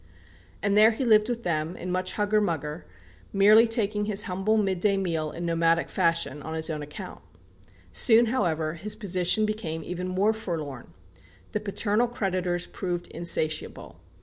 And there he lived with them, in much "hugger mugger," merely taking his humble midday meal in nomadic fashion, on his own account. Soon, however, his position became even more forlorn. The paternal creditors proved insatiable.